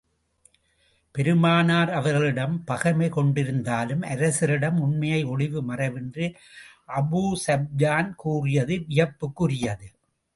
பெருமானார் அவர்களிடம் பகைமை கொண்டிருந்தாலும், அரசரிடம் உண்மையை ஒளிவு மறைவின்றி அபூ ஸுப்யான் கூறியது வியப்புக்குரியது.